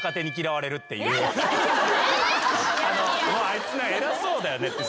あいつ偉そうだよねって。